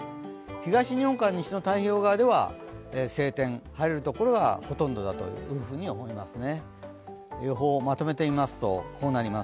東日本から西の太平洋側では晴天、晴れるところがほとんどだというふうに思いますね。